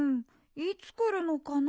いつくるのかな？